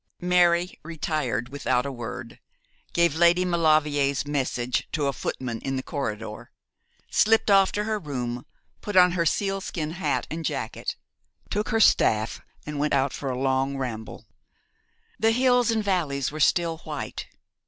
Mary retired without a word, gave Lady Maulevrier's message to a footman in the corridor, slipped off to her room, put on her sealskin hat and jacket, took her staff and went out for a long ramble. The hills and valleys were still white.